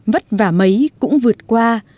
vất vả mấy cũng vượt qua